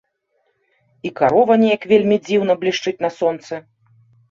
І карова неяк вельмі дзіўна блішчыць на сонцы.